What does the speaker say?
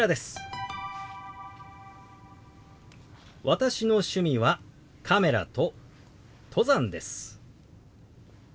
「私の趣味はカメラと登山です」。